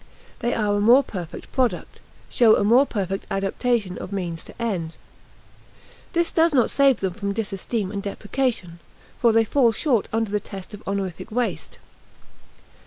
They are a more perfect product show a more perfect adaptation of means to end. This does not save them from disesteem and deprecation, for they fall short under the test of honorific waste.